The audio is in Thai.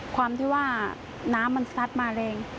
ความที่ว่าน้ำมันซัดมาแรง